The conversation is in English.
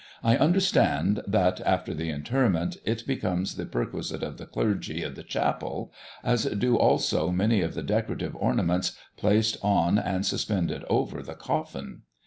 I imderstand that, after the interment, it becomes the perquisite of the clergy of the chapel, as do, also, many of the decorative ornaments placed on, and sus pended over, the coffin.